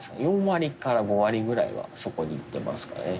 ４割から５割ぐらいはそこにいってますかね。